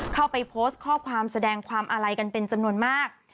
เข้าไปโพสต์ข้อความแสดงความอาลัยกันเป็นจำนวนมาก